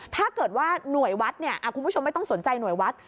ถ้าเกิดว่าหน่วยวัดเนี่ยคุณผู้ชมไม่ต้องสนใจหน่วยวัด